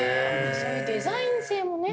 そういうデザイン性もね。